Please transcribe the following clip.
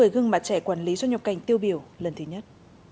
một mươi gương mặt trẻ quản lý xuất nhập cảnh tiêu biểu lần thứ nhất